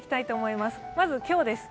まず今日です。